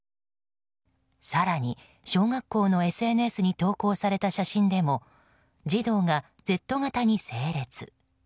更に小学校のＳＮＳに投稿された写真でも児童がＺ型に整列。